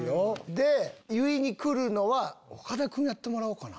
で言いに来るのは岡田くんやってもらおうかな。